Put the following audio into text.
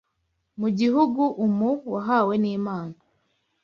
Mu gihugu umu Wahawe n’Imana